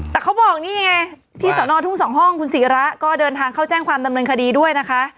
แต่เขาบอกนี่ไงที่สอนอทุ่งสองห้องคุณศิระก็เดินทางเข้าแจ้งความดำเนินคดีด้วยนะคะ